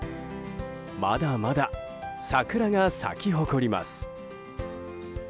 まだまだ桜が咲き誇ります。